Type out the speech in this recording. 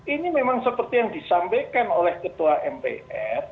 ini memang seperti yang disampaikan oleh ketua mpr